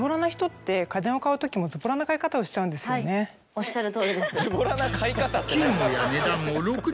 おっしゃるとおりです。